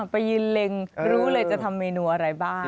ไปยืนเล็งรู้เลยจะทำเมนูอะไรบ้าง